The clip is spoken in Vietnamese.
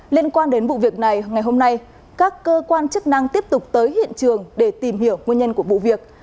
liên quan đến vụ việc này ngày hôm nay các cơ quan chức năng tiếp tục tới hiện trường để tìm hiểu nguyên nhân của vụ việc